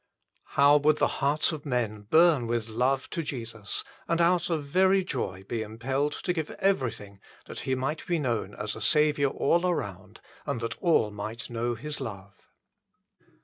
How would the hearts of men burn with love to Jesus, and out of very joy be impelled to give everything that He might be known as a Saviour all around, and that all might know His love.